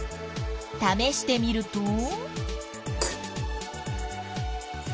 ためしてみると？